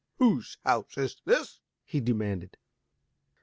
"Whose house is this?" he demanded.